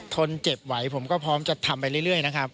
นเจ็บไหวผมก็พร้อมจะทำไปเรื่อยนะครับ